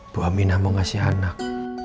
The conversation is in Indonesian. buah minah mau ngasih anak